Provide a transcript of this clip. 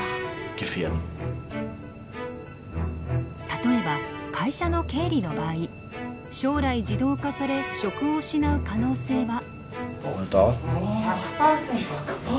例えば会社の経理の場合将来自動化され職を失う可能性は。